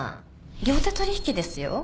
両手取引ですよ。